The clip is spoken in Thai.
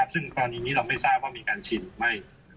ซึ่งตอนนี้เราไม่ทราบว่ามีการฉีดไม่